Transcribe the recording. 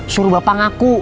suruh bapak ngaku